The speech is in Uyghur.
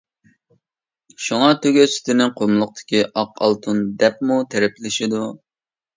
شۇڭا تۆگە سۈتىنى ‹قۇملۇقتىكى ئاق ئالتۇن› دەپمۇ تەرىپلىشىدۇ.